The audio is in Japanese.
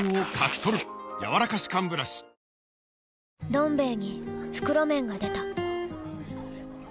「どん兵衛」に袋麺が出た